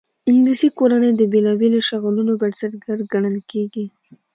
انګلیسي کورنۍ د بېلابېلو شغلونو بنسټګر ګڼل کېږي.